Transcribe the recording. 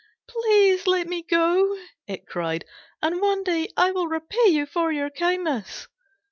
"Please let me go," it cried, "and one day I will repay you for your kindness."